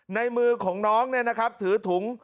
ในมือของน้องเนี่ยนะครับถือถุง